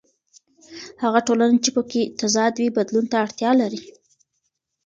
هغه ټولنه چې په کې تضاد وي بدلون ته اړتیا لري.